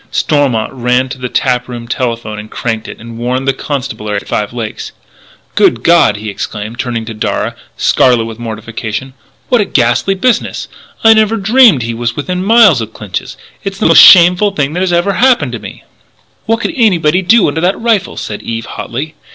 Stormont ran to the tap room telephone, cranked it, and warned the constabulary at Five Lakes. "Good God!" he exclaimed, turning to Darragh, scarlet with mortification, "what a ghastly business! I never dreamed he was within miles of Clinch's! It's the most shameful thing that ever happened to me " "What could anybody do under that rifle?" said Eve hotly.